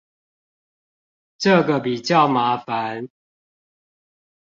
這個比較麻煩